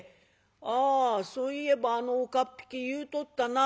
「ああそういえばあの岡っ引き言うとったな。